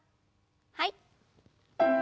はい。